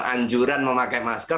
anjuran memakai masker